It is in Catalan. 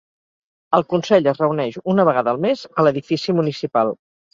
El consell es reuneix una vegada al mes a l'edifici municipal.